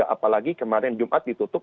apalagi kemarin jumat ditutup